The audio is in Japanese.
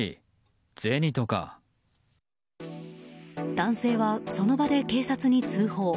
男性はその場で警察に通報。